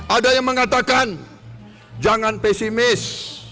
ada yang mengatakan jangan pesimis